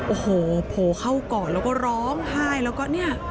โอ้โหโผล่เข้าก่อนแล้วก็ร้องไห้แล้วก็เนี่ย